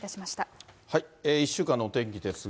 １週間のお天気ですが。